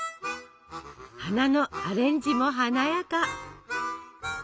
花のアレンジも華やか！